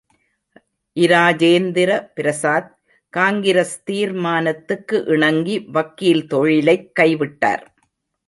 Rajendra Prasad, Congress தீர்மானத்துக்கு இணங்கி வக்கீல் தொழிலைக் கை விட்டார்.